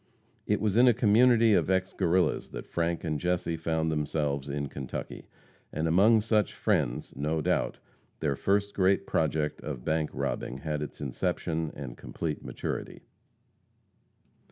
It was in a community of ex Guerrillas that Frank and Jesse found themselves in Kentucky, and among such "friends," no doubt, their first great project of bank robbing had its inception and complete maturity.